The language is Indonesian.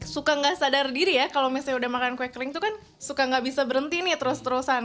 suka nggak sadar diri ya kalau misalnya udah makan kue kering itu kan suka nggak bisa berhenti nih terus terusan